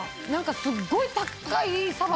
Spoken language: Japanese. すっごい高いサバ